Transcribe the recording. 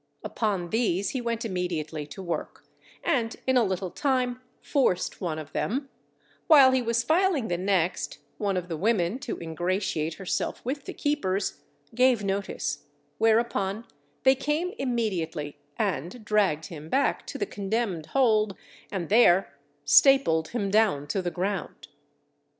Upon these he went immediately to work, and in a little time forced one of them; while he was filing the next, one of the women, to ingratiate herself with the keepers, gave notice, whereupon they came immediately and dragged him back to the Condemned Hold and there stapled him down to the ground.